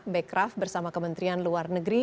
bekraf bersama kementerian luar negeri